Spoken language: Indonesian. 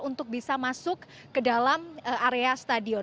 untuk bisa masuk ke dalam area stadion